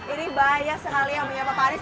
ini banyak sekali yang menyapa pak anies